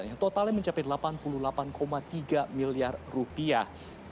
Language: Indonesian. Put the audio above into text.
yang totalnya mencapai delapan puluh delapan tiga miliar rupiah